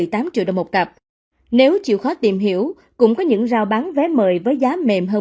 một mươi bảy một mươi tám triệu đồng một cặp nếu chịu khó tìm hiểu cũng có những giao bán vé mời với giá mềm hơn